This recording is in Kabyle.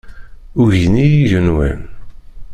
Ugin-iyi yigenwan.